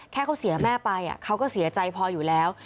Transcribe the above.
แค่เขาเสียแม่ไปเขาก็เสียใจพออยู่แล้ว